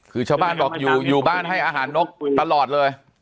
คือชาวบ้านบอกอยู่บ้านให้อาหารนกตลอดเลย